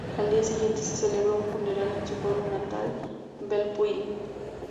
Al día siguiente se celebró un funeral en su pueblo natal, Bellpuig.